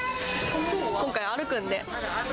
今回、歩くんで。